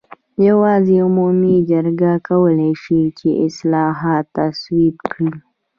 یوازې عمومي جرګه کولای شي چې اصلاحات تصویب کړي.